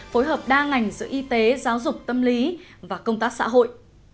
phối hợp đa ngành giữa y tế giáo dục tâm lý và công tác xã hội